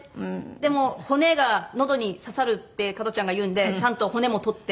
でも「骨がのどに刺さる」って加トちゃんが言うんでちゃんと骨も取って。